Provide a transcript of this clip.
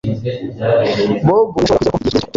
Bobo ntiyashoboraga kwizera ko igihe kigeze cyo gutaha